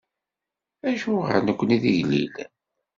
Acuɣer nekkni d igellilen?